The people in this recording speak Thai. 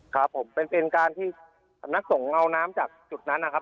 ครับผมเป็นการที่สำนักสงฆ์เอาน้ำจากจุดนั้นนะครับ